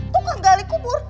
tukang gali kubur